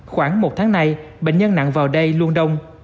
khoảng một tháng nay bệnh nhân nặng vào đây luôn đông